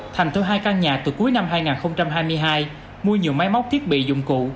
thành thuê hai căn nhà từ cuối năm hai nghìn hai mươi hai mua nhiều máy móc thiết bị dụng cụ